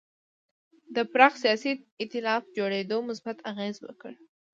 د پراخ سیاسي اېتلاف جوړېدو مثبت اغېز وکړ.